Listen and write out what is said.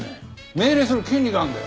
命令する権利があるんだよ。